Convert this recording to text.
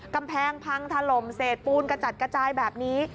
กำแพงพังถล่มเศษปูนกระจัดกระจายแบบนี้